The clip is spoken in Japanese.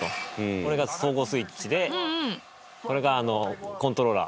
これが相互スイッチでこれがコントローラー。